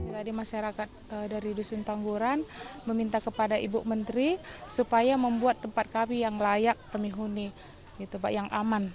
tadi masyarakat dari dusun tangguran meminta kepada ibu menteri supaya membuat tempat kami yang layak pemihuni yang aman